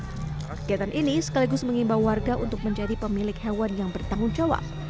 kegiatan ini sekaligus mengimbau warga untuk menjadi pemilik hewan yang bertanggung jawab